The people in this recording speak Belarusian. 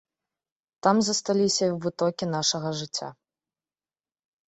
Там засталіся вытокі нашага жыцця.